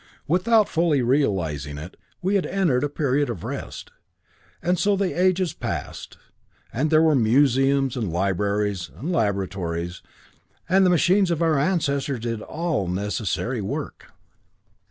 Without fully realizing it, we had entered a period of rest. And so the ages passed; and there were museums and libraries and laboratories; and the machines of our ancestors did all necessary work.